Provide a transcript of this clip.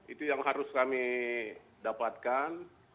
itu yang harus kami dapatkan